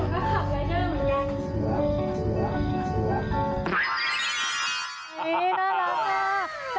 ขอบคุณนะครับ